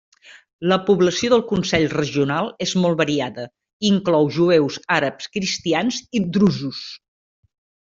La població del consell regional és molt variada, i inclou jueus, àrabs, cristians i drusos.